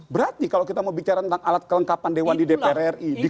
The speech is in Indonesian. berarti kalau kita mau bicara tentang alat kelengkapan dewan di dpr ri